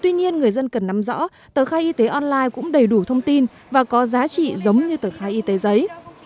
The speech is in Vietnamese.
tuy nhiên người dân cần nắm rõ tờ khai y tế online cũng đầy đủ thông tin và có giá trị giống như tờ khai y tế giấy